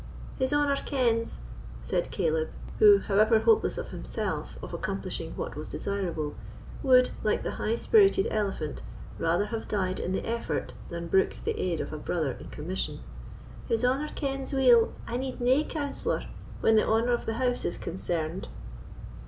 "His honour kens," said Caleb, who, however hopeless of himself of accomplishing what was desirable, would, like the high spirited elephant, rather have died in the effort than brooked the aid of a brother in commission—"his honour kens weel I need nae counsellor, when the honour of the house is concerned."